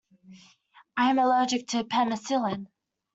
I am allergic to penicillin.